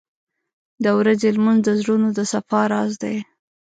• د ورځې لمونځ د زړونو د صفا راز دی.